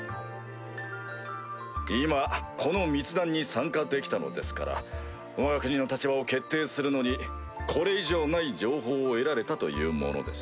今この密談に参加できたのですからわが国の立場を決定するのにこれ以上ない情報を得られたというものです。